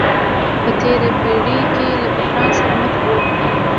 په تېره پېړۍ کې له بحران سره مخ وو.